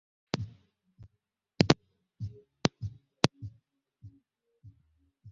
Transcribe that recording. Alibeba silaha kubwa lililotisha sana.